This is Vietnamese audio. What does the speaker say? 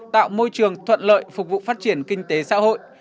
tạo môi trường thuận lợi phục vụ phát triển kinh tế xã hội